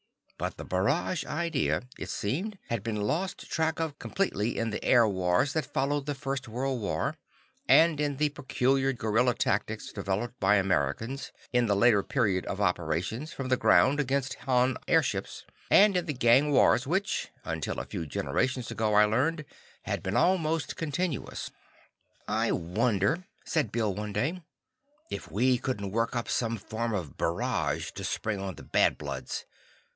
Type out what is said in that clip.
But the barrage idea, it seemed, has been lost track of completely in the air wars that followed the First World War, and in the peculiar guerilla tactics developed by Americans in the later period of operations from the ground against Han airships, and in the gang wars which, until a few generations ago I learned, had been almost continuous. "I wonder," said Bill one day, "if we couldn't work up some form of barrage to spring on the Bad Bloods.